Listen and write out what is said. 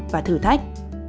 và thử thách